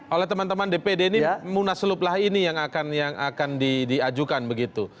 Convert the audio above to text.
oleh teman teman dpd ini munaslup lah ini yang akan diajukan begitu